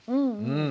うん。